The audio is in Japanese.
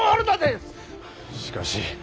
しかし。